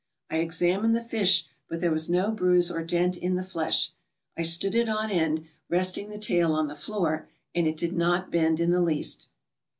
I examined the fish, but there was no bruise or dent in the flesh. I stood it on end, resting the tail on the floor, and it did not bend in the least.